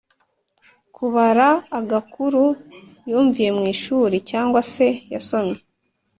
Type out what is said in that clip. -kubara agakuru yumviye mu ishuri cyangwa se yasomye